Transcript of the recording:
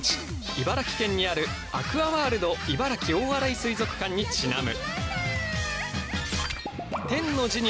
茨城県にあるアクアワールド茨城大洗水族館に因む。